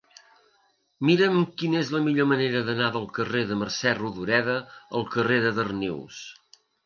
Mira'm quina és la millor manera d'anar del carrer de Mercè Rodoreda al carrer de Darnius.